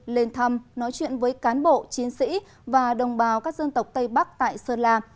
lên thăm nói chuyện với cán bộ chiến sĩ và đồng bào các dân tộc tây bắc tại sơn la